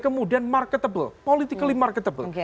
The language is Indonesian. kemudian marketable politikally marketable